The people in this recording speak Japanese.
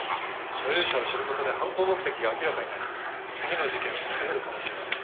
所有者を知ることで犯行目的が明らかになり次の事件を防げるかもしれません。